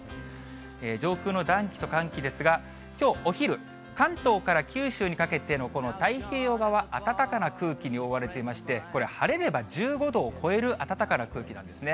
上空の暖気と寒気ですが、きょうお昼、関東から九州にかけてのこの太平洋側、暖かな空気に覆われていまして、これ、晴れれば１５度を超える暖かな空気なんですね。